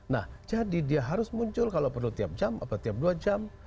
nah jadi dia harus muncul kalau perlu tiap jam atau tiap dua jam